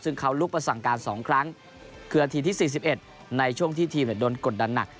ซึ่งเขาลุกมาสั่งการ๒ครั้งคือนาทีที่๔๑ในช่วงที่ทีมโดนกดดันหนัก